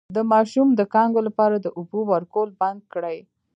د ماشوم د کانګو لپاره د اوبو ورکول بند کړئ